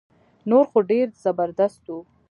نور خو ډير زبردست وو